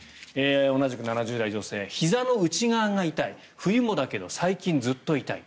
同じく７０代女性ひざの内側が痛い冬もだけど最近ずっと痛い。